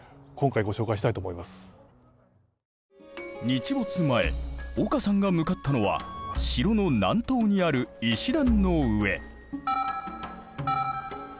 日没前岡さんが向かったのは城の南東にある石段の上。